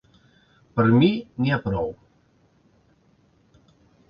Per mi n’hi ha prou.